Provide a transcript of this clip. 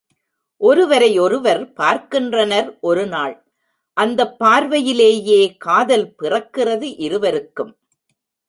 ஒருவரையொருவர் பார்க்கின்றனர் ஒருநாள், அந்தப் பார்வையிலேயே காதல் பிறக்கிறது இருவருக்கும்.